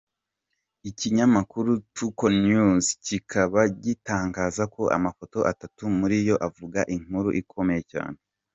Ikinyamakuru Tuko News kikaba gitangaza ko amafoto atatu muri yo, avuga inkuru ikomeye cyane.